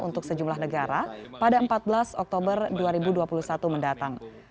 untuk sejumlah negara pada empat belas oktober dua ribu dua puluh satu mendatang